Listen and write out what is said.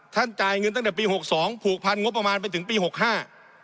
จ่ายเงินตั้งแต่ปีหกสองผูกพันงบประมาณไปถึงปีหกห้า